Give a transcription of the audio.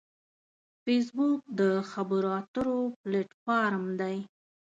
فېسبوک د خبرو اترو پلیټ فارم دی